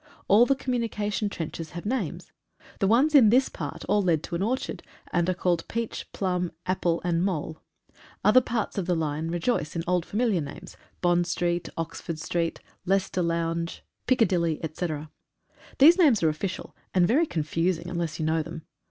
All the com munication trenches have names. The ones in this part all led to an orchard, and are called Peach, Plum, Apple, Mole. Other parts of the line rejoice in old familiar names — Bond Street, Oxford Street, Leicester Lounge, 103 LIFE IN THE TRENCHES. Piccadilly, etc. These names are official, and very con fusing unless you know them.